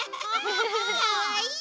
かわいい。